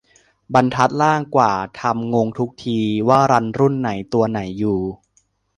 บรรทัดล่างกว่า ทำงงทุกที ว่ารันรุ่นไหนตัวไหนอยู่